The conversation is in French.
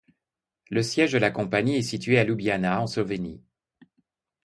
Le siège de la compagnie est situé à Ljubljana, en Slovénie.